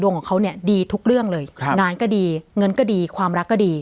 ของเขาเนี่ยดีทุกเรื่องเลยงานก็ดีเงินก็ดีความรักก็ดี